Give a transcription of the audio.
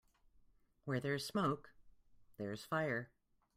Where there's smoke there's fire.